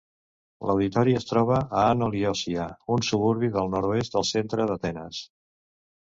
L'auditori es troba a Ano Liosia, un suburbi al nord-oest del centre d'Atenes.